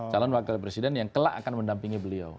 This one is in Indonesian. calon wakil presiden yang kelak akan mendampingi beliau